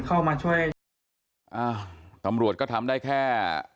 อ้าวสำรวจก็ทำได้แค่